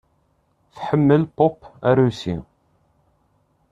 Tḥemmel pop arusi.